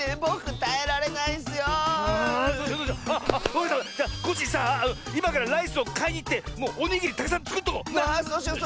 じゃコッシーさあいまからライスをかいにいってもうおにぎりたくさんつくっとこう！